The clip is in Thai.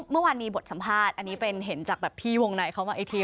เมื่อวานมีบทสัมภาษณ์อันนี้เป็นเห็นจากแบบพี่วงในเขามาไอที